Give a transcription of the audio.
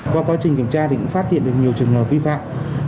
qua quá trình kiểm tra thì cũng phát hiện được nhiều trường hợp vi phạm